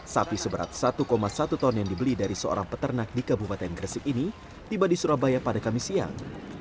sapi seberat satu satu ton yang dibeli dari seorang peternak di kabupaten gresik ini tiba di surabaya pada kamis siang